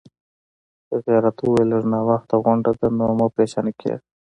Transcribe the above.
هغې راته وویل: لږ ناروغه غوندې ده، نو مه پرېشانه کېږه.